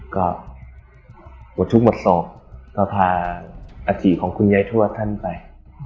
ก็หมดทุกข์หมดโศกก็พาอาถิของคุณยายทวดท่านไป